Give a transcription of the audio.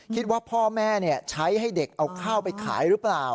คิดว่าพ่อแม่ใช้ให้เด็กเอาข้าวไปขายหรือเปล่า